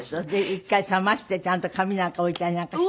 一回冷ましてちゃんと紙なんか置いたりなんかして。